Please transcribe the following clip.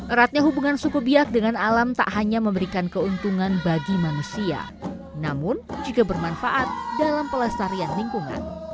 eratnya hubungan suku biak dengan alam tak hanya memberikan keuntungan bagi manusia namun juga bermanfaat dalam pelestarian lingkungan